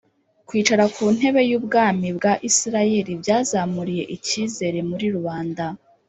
kwicara ku ntebe y ubwami bwa Isirayeli byazamuriye icyizere muri rubanda